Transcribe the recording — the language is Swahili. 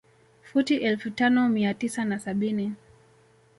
Futi elfu tano mia tisa na sabini